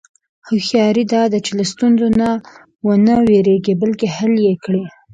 هوښیاري دا ده چې له ستونزو نه و نه وېرېږې، بلکې حل یې کړې.